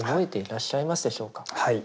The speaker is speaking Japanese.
はい。